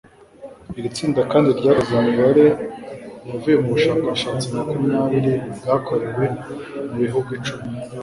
Iri tsinda kandi ryakoze imibare yavuye mu bushakashatsi makumyabiri bwakorewe mu bihugu icumi